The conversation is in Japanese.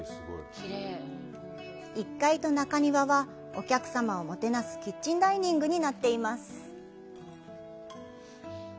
１階と中庭は、お客様をもてなすキッチンダイニングになっています。